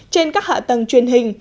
trên các hạ tầng truyền hình